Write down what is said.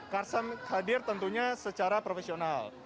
karsam hadir tentunya secara profesional